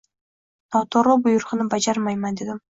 Noto‘g‘ri buyruqni bajarmiyman dedim.